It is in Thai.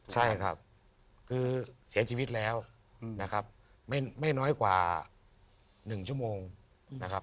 ใช่ครับคือเสียชีวิตแล้วนะครับไม่น้อยกว่า๑ชั่วโมงนะครับ